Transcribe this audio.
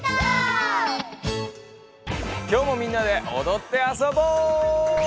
今日もみんなでおどってあそぼう！